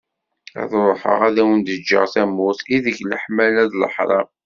Ad ruḥeγ ad awen-ğğeγ tamurt, ideg leḥmala d leḥram.